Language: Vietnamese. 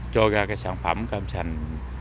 cho ra sản phẩm cam sành